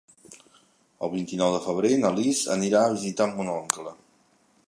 El vint-i-nou de febrer na Lis anirà a visitar mon oncle.